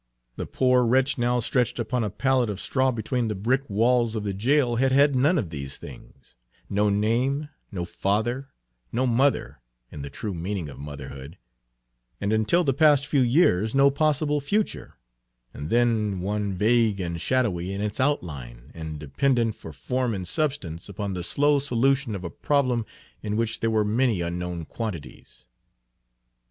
The poor wretch now stretched upon a pallet of straw between the brick walls of the jail had had none of these things, no name, no father, no mother in the true meaning of motherhood, and until the past few years no possible future, and then one vague and shadowy in its outline, and dependent for form and substance upon the slow solution of a problem in which there were many unknown quantities.